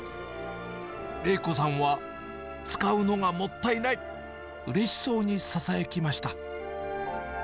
玲子さんは、使うのがもったいない、うれしそうにささやきました。